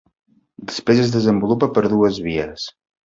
Després es desenvolupa per dues vies.